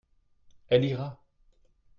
Elle ira.